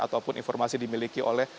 ataupun informasi dimiliki oleh